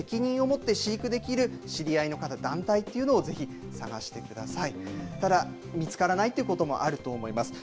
なので責任をもって飼育できる知り合いの方団体というのをぜひ探してください。